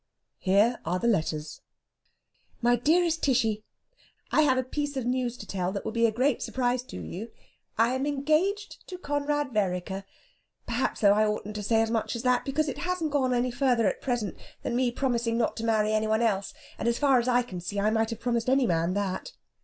Here are the letters: "MY DEAREST TISHY, "I have a piece of news to tell that will be a great surprise to you. I am engaged to Conrad Vereker. Perhaps, though, I oughtn't to say as much as that, because it hasn't gone any farther at present than me promising not to marry any one else, and as far as I can see I might have promised any man that.